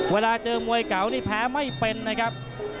เวลาเจอมวยเก่านี่แพ้ไม่เป็นนะครับ